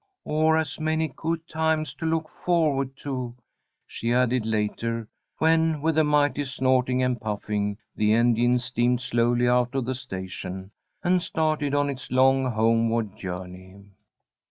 Or as many good times to look forward to," she added, later, when, with a mighty snorting and puffing, the engine steamed slowly out of the station, and started on its long homeward journey.